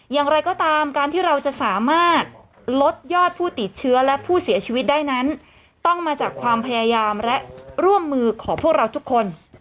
อย่างไรก็ตามการที่เราจะสามารถลดยอดผู้ติดเชื้อและผู้เสียชีวิตได้นั้นต้องมาจากความพยายามและร่วมมือของพวกเราทุกคน